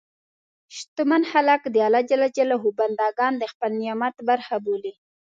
شتمن خلک د الله بندهګان د خپل نعمت برخه بولي.